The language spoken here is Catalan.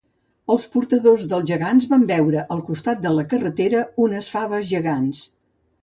Els portadors dels gegants van veure al costat de la carretera unes faves grans